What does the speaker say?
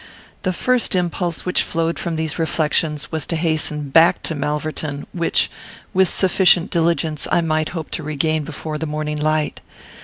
The first impulse which flowed from these reflections was to hasten back to Malverton; which, with sufficient diligence, I might hope to regain before the morning light.